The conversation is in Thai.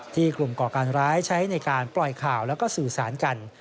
กลุ่มก่อการร้ายใช้ในการปล่อยข่าวแล้วก็สื่อสารกัน